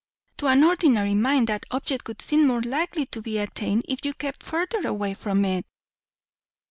"To an ordinary mind, that object would seem more likely to be attained if you kept further away from it."